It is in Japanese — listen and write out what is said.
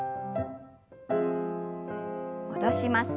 戻します。